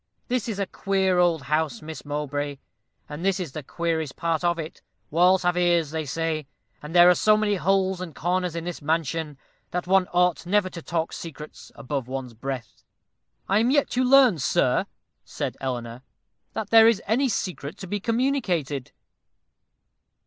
This is a queer old house, Miss Mowbray; and this is the queerest part of it. Walls have ears, they say; and there are so many holes and corners in this mansion, that one ought never to talk secrets above one's breath." "I am yet to learn, sir," said Eleanor, "that there is any secret to be communicated."